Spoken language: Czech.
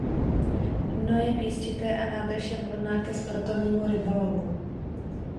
Dno je písčité a nádrž je vhodná ke sportovnímu rybolovu.